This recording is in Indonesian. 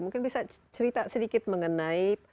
mungkin bisa cerita sedikit mengenai